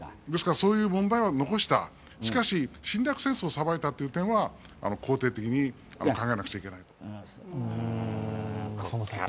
そういう問題を残したしかし侵略戦争を裁いた点は肯定的に考えなくちゃいけない。